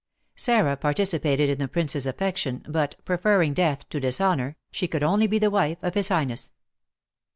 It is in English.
Sarah participated in the prince's affection, but, preferring death to dishonour, she could only be the wife of his highness.